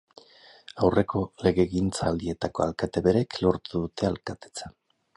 Aurreko legegintzaldietako alkate berek lortu dute alkatetza.